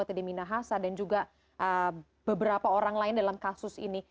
teddy minahasa dan juga beberapa orang lain dalam kasus ini